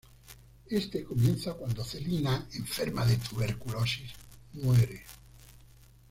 Este comienza cuando Celina, enferma de tuberculosis, muere.